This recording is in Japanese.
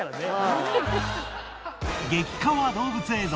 激カワ動物映像！